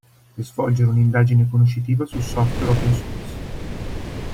Per svolgere un'indagine conoscitiva sul software open source.